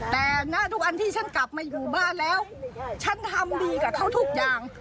แต่ณทุกอันที่ฉันกลับมาอยู่บ้านแล้วฉันทำดีกับเขาทุกอย่าง